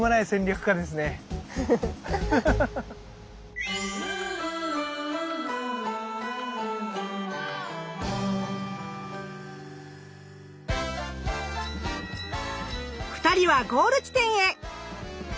へ二人はゴール地点へ。